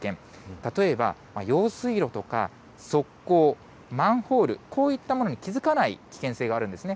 例えば用水路とか側溝、マンホール、こういったものに気付かない危険性があるんですね。